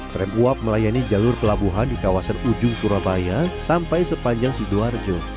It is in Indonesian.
tram uap melayani jalur pelabuhan di kawasan ujung surabaya sampai sepanjang sidoarjo